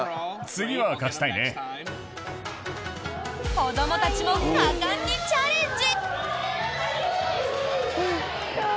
子どもたちも果敢にチャレンジ！